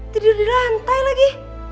tidur di lantai lagi